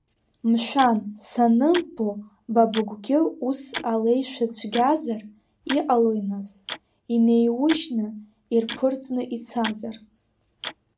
Мшәан, саныббо, ба быгәгьы ус алеишәа цәгьазар, иҟалои нас, инеиужьны, ирԥырҵны ицазар!